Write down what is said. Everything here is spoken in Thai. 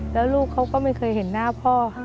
แล้วลูกเขาก็ไม่เคยเห็นหน้าพ่อค่ะ